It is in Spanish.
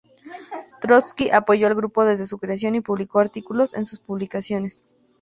Trotski apoyó al grupo desde su creación y publicó artículos en sus publicaciones.